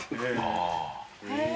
へえ。